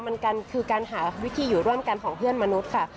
มันคือการหาวิธีอยู่ร่วมกันของเพื่อนมนุษย์ค่ะ